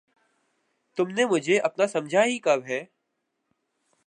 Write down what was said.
تم نے مجھے اپنا سمجھا ہی کب ہے!